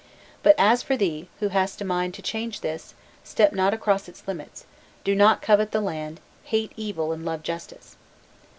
But as for thee, who hast a mind to change this, step not across its limits, do not covet the land: hate evil and love justice."